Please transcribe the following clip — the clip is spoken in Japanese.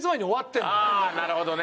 ああなるほどね。